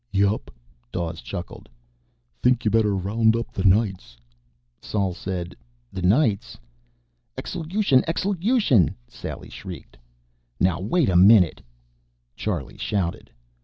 "Yep," Dawes chuckled. "Think you better round up the Knights." Sol said: "The Knights?" "Exelution! Exelution!" Sally shrieked. "Now wait a minute " Charlie shouted.